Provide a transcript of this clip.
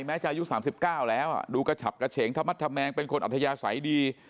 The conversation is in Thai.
จะอายุ๓๙แล้วดูกระฉับกระเฉงธรรมแมงเป็นคนอัธยาศัยดี